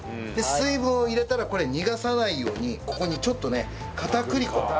水分を入れたらこれ逃がさないようにここにちょっとね片栗粉。